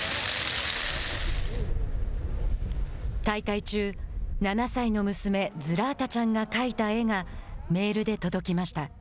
大会中、７歳の娘ズラータちゃんが描いた絵がメールで届きました。